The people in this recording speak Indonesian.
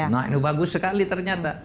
nah ini bagus sekali ternyata